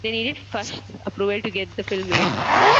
They needed Fuchs' approval to get the film made.